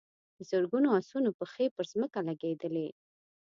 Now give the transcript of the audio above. د زرګونو آسونو پښې پر ځمکه لګېدلې.